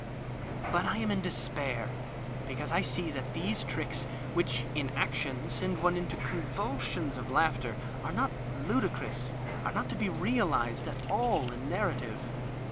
... But I am in despair, because I see that these tricks, wliich in action send one into convulsions of laughter, are not ludicrous, are not to be realized at all in narra tive.